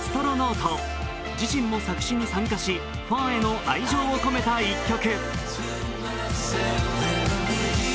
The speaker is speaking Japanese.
自身も作詞に参加しファンへの愛情を込めた１曲。